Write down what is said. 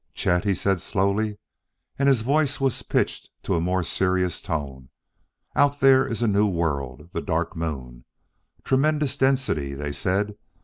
"Chet," he said slowly, and his voice was pitched to a more serious tone, "out there is a new world, the Dark Moon. 'Tremendous density,' they said.